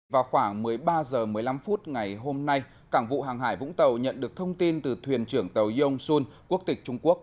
vào khoảng một mươi ba h một mươi năm phút ngày hôm nay cảng vụ hàng hải vũng tàu nhận được thông tin từ thuyền trưởng tàu yong sun quốc tịch trung quốc